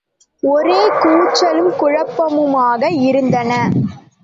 ஒரே கூச்சலும் குழப்பமுமாக இருந்தன.